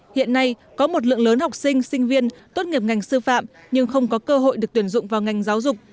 hiện nay có một lượng lớn học sinh sinh viên tốt nghiệp ngành sư phạm nhưng không có cơ hội được tuyển dụng vào ngành giáo dục